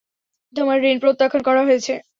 তোমার ঋণ প্রত্যাখ্যান করা হয়েছে।